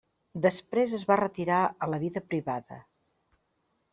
Després es va retirar a la vida privada.